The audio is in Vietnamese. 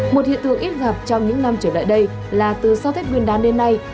một hiện tượng ít gặp trong những năm trở lại đây là từ sau tết nguyên đán đến nay